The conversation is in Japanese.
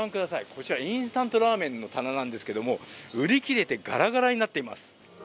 こちらインスタントラーメンの棚なんですけども売り切れてがらがらになっています。